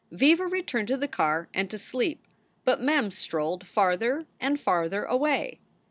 Viva returned to the car and to sleep, but Mem strolled farther and farther away.